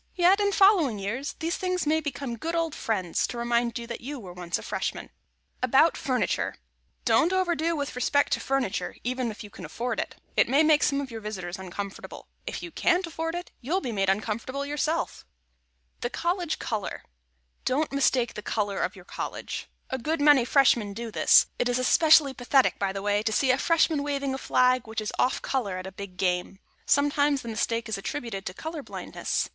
Yet, in following years, these things may become good old friends to remind you that you were once a Freshman. [Sidenote: ABOUT FURNITURE] Don't overdo with respect to furniture, even if you can afford it; it may make some of your visitors uncomfortable. If you can't afford it, you'll be made uncomfortable yourself. [Sidenote: THE COLLEGE COLOR] Don't mistake the color of your College. A good many Freshmen do this; it is especially pathetic, by the way, to see a Freshman waving a flag which is off color at a big game. Sometimes the mistake is attributed to color blindness.